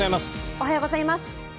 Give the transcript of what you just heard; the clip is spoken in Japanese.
おはようございます。